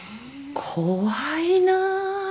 怖いなぁ。